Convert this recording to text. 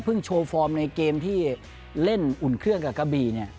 โชว์ฟอร์มในเกมที่เล่นอุ่นเครื่องกับกะบี่เนี่ย